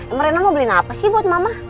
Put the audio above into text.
emang rena mau beliin apa sih buat mama